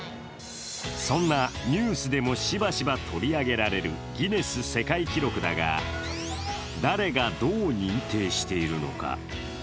そんなニュースでもしばしば取り上げられるギネス世界記録だが、誰が、どう認定しているのか。